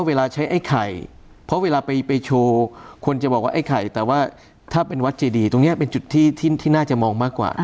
เวลาใช้ไอ้ไข่เพราะเวลาไปโชว์คนจะบอกว่าไอ้ไข่แต่ว่าถ้าเป็นวัดเจดีตรงนี้เป็นจุดที่น่าจะมองมากกว่า